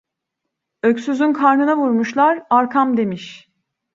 Öksüzün karnına vurmuşlar "arkam!" demiş.